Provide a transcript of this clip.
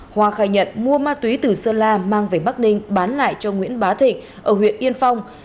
hoa khai nhận mua ma túy từ sơn la mang về bắc ninh bán lại cho nguyễn bá thịnh ở huyện yên phong